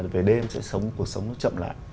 về đêm sẽ sống cuộc sống nó chậm lại